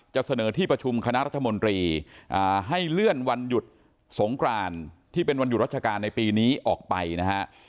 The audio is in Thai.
เสนอที่ประชุมคณะรัฐมนตรีให้เลื่อนวันหยุดสงกรานที่เป็นวันหยุดราชการในปีนี้ออกไปนะฮะ